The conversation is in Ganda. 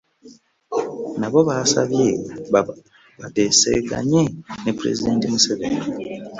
Nabo baasabye bateeseganye ne Pulezidenti Museveni